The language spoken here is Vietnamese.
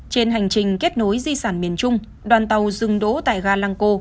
trên hành trình kết nối di sản miền trung đoàn tàu dừng đỗ tại ga lang co